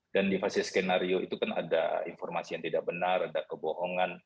dan di fase skenario itu kan ada informasi yang tidak benar ada kebohongan